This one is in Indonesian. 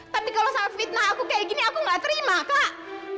tapi kalau saat fitnah aku kayak gini aku gak terima pak